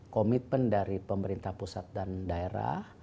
komitmen dari pemerintah pusat dan daerah